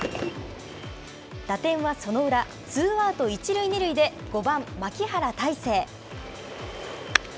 打線はその裏、ツーアウト１塁２塁で５番牧原大成。